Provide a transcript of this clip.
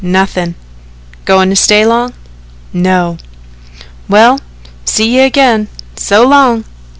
"Nothing." "Goin' to stay long?" "No." "Well, see you again. So long.